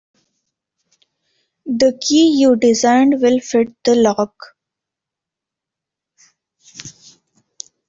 The key you designed will fit the lock.